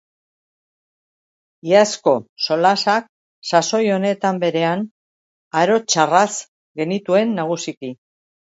Iazko solasak, sasoi honetan berean, aro txarraz genituen nagusiki.